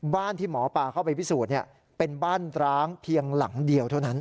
ที่หมอปลาเข้าไปพิสูจน์เป็นบ้านร้างเพียงหลังเดียวเท่านั้น